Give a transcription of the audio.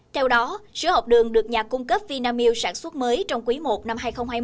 theo đó sữa học đường được nhà cung cấp vinamilk sản xuất mới trong quý i năm hai nghìn hai mươi